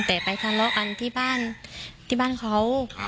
แต่ไปทะเลาะกันที่บ้านที่บ้านเขา